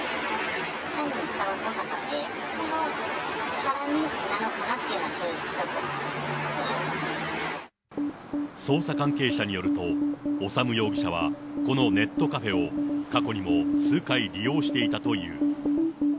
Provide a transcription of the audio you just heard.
犯人が捕まっていなかったので、その絡みなのかなっていうのは、捜査関係者によると、修容疑者はこのネットカフェを、過去にも数回利用していたという。